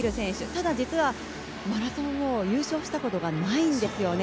ただ、実は、マラソンを優勝したことがないんですよね。